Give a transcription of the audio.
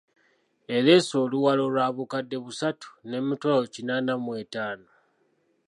Ereese Oluwalo lwa bukadde busatu n’emitwalo kinaana mu etaano .